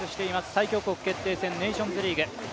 最強国決定戦ネーションズリーグ。